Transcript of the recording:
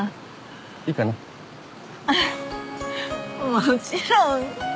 もちろん！